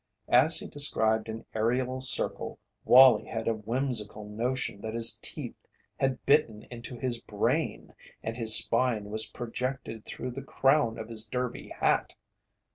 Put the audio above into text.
As he described an aërial circle Wallie had a whimsical notion that his teeth had bitten into his brain and his spine was projected through the crown of his derby hat.